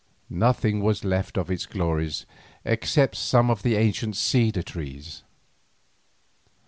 Nothing was left of its glories except some of the ancient cedar trees.